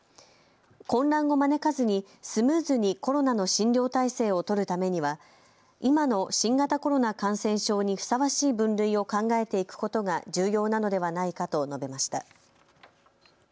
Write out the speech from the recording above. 混乱を招かずにスムーズにコロナの診療体制を取るためには今の新型コロナ感染症にふさわしい分類を考えていくことが重要なのではないかと述べました。